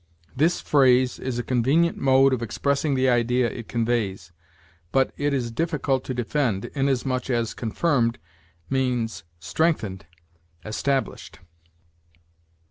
This phrase is a convenient mode of expressing the idea it conveys, but it is difficult to defend, inasmuch as confirmed means strengthened, established.